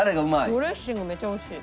ドレッシングめっちゃおいしい。